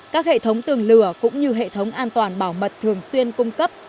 các hệ thống tường lửa cũng như hệ thống an toàn bảo mật thường xuyên cung cấp